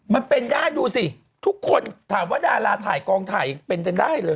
มันเป็นได้ดูสิทุกคนถามว่าดาราถ่ายกองถ่ายยังเป็นกันได้เลย